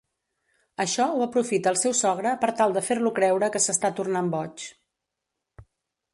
Això ho aprofita el seu sogre per tal de fer-lo creure que s'està tornant boig.